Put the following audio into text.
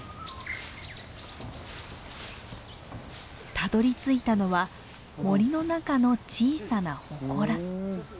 たどりついたのは森の中の小さな祠。